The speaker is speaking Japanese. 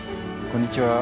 こんにちは。